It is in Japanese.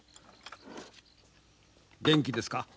「元気ですか？